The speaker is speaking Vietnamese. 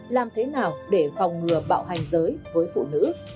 làm thế nào để phòng ngừa bạo hành giới với phụ nữ